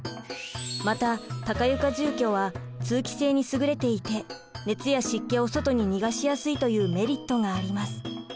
また高床住居は通気性にすぐれていて熱や湿気を外ににがしやすいというメリットがあります。